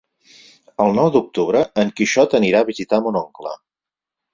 El nou d'octubre en Quixot anirà a visitar mon oncle.